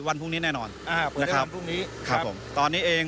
วันพรุ่งนี้แน่นอนอ่าเปิดได้วันพรุ่งนี้ครับตอนนี้เอง